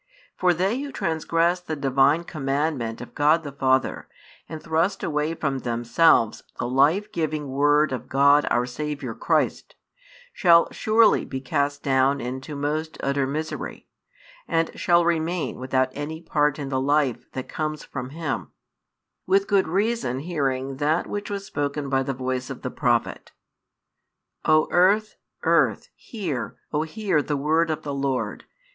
For they who transgress the Divine commandment of God the Father, and thrust away from themselves the life giving word of God our Saviour Christ, shall surely be cast down into most utter misery, and shall remain without any part in the life that comes from Him; with good reason hearing that which was spoken by the voice of the prophet: O earth, earth, hear, O hear the word of the Lord.